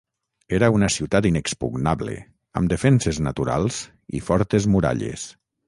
Era una ciutat inexpugnable, amb defenses naturals i fortes muralles.